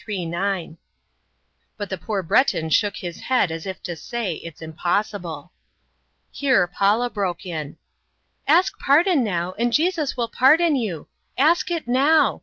But the poor Breton shook his head as if to say, "It's impossible!" Here Paula broke in, "Ask pardon now, and Jesus will pardon you! Ask it now!